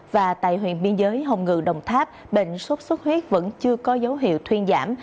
và tại huyện biên giới hồng ngự đồng tháp bệnh sốt xuất huyết vẫn chưa có dấu hiệu thuyên giảm